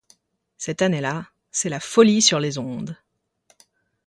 Cette année-là, c’est la folie sur les ondes !